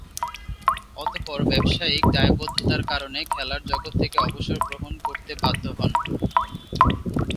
অতঃপর ব্যবসায়িক দায়বদ্ধতার কারণে খেলার জগৎ থেকে অবসর গ্রহণে করতে বাধ্য হন।